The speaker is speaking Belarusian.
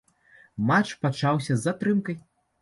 Матч пачаўся з затрымкай.